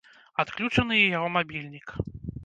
Адключаны і яго мабільнік.